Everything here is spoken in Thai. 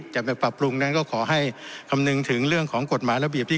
จะไปปรับปรุงนั้นก็ขอให้คำนึงถึงเรื่องของกฎหมายระเบียบที่